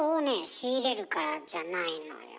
仕入れるからじゃないのよ。